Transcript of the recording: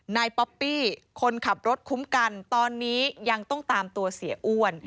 ป๊อปปี้คนขับรถคุ้มกันตอนนี้ยังต้องตามตัวเสียอ้วน